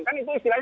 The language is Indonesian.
kan itu istilahnya